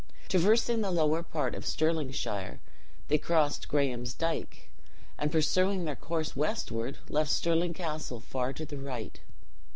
Traversing the lower part of Stirlingshire, they crossed Graham's Dike; and pursuing their course westward, left Stirling Castle far to the right.